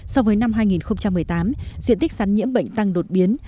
so với năm hai nghìn một mươi tám diện tích sắn nhiễm bệnh tăng đột biến